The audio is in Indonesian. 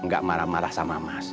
gak marah marah sama mas